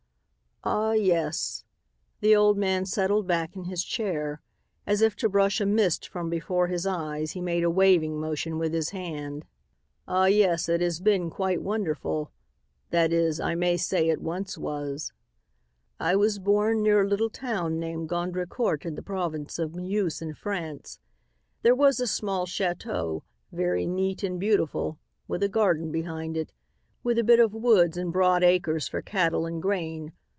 "Ah, yes," the old man settled back in his chair. As if to brush a mist from before his eyes, he made a waving motion with his hand. "Ah, yes, it has been quite wonderful, that is, I may say it once was. "I was born near a little town named Gondrecourt in the province of Meuse in France. There was a small chateau, very neat and beautiful, with a garden behind it, with a bit of woods and broad acres for cattle and grain.